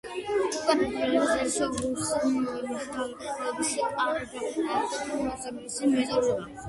კვლევებმა დეჟა ვუს გამოცდილება მეხსიერების კარგად ფუნქციონირებას დაუკავშირეს.